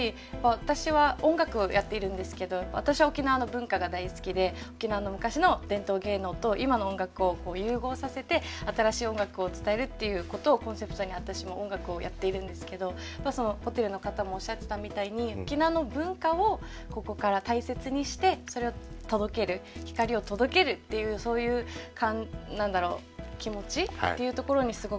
私は音楽やっているんですけど私は沖縄の文化が大好きで沖縄の昔の伝統芸能と今の音楽を融合させて新しい音楽を伝えるっていうことをコンセプトに私も音楽をやっているんですけどホテルの方もおっしゃってたみたいに沖縄の文化をここから大切にしてそれを届ける光を届けるっていうそういう気持ちっていうところにすごく私は共感をしました。